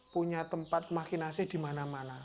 punya tempat makinasi di mana mana